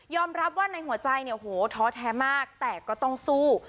รับว่าในหัวใจเนี่ยโหท้อแท้มากแต่ก็ต้องสู้